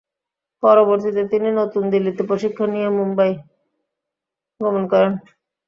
পরবর্তীতে তিনি নতুন দিল্লিতে প্রশিক্ষণ নিয়ে মুম্বই গমন করেন।